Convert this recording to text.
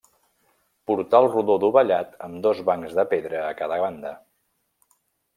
Portal rodó dovellat amb dos bancs de pedra a cada banda.